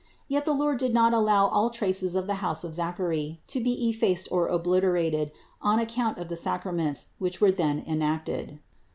Yet the Lord did not allow all traces of the house of Zachary to be effaced or obliterated, on account of the sacraments, which were there enacted.